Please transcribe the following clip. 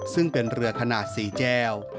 ซึ่งเป็นเรือขนาด๔แก้ว